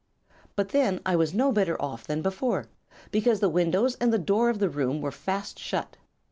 "But then I was no better off than before, because the windows and the door of the room were fast shut.